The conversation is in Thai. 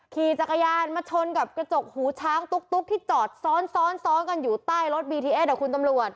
ขี่จักรยานมาชนกับกระจกหูช้างตุ๊กที่จอดซ้อนซ้อนกันอยู่ใต้รถบีทีเอสกับคุณตำรวจ